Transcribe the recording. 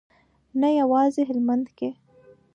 نه یوازې هلمند کې.